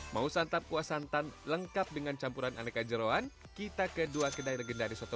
mau santap kuah santan lengkap dengan campuran aneka jerawan kita kedua kedai legendaris soto